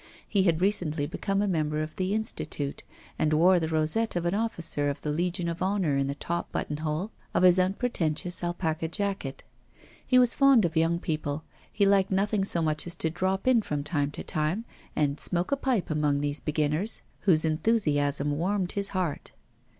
He had recently become a member of the Institute, and wore the rosette of an officer of the Legion of Honour in the top button hole of his unpretentious alpaca jacket. He was fond of young people; he liked nothing so much as to drop in from time to time and smoke a pipe among these beginners, whose enthusiasm warmed his heart.